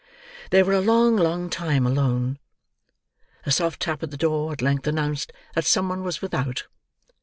They were a long, long time alone. A soft tap at the door, at length announced that some one was without.